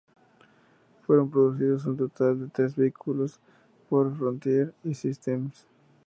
Fueron producidos un total de tres vehículos por Frontier Systems.